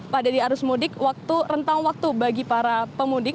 pada di arus mudik rentang waktu bagi para pemudik